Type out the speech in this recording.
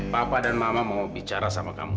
papa dan mama mau bicara sama kamu